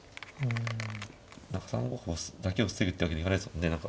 ３五歩だけを防ぐってわけにいかないですもんね。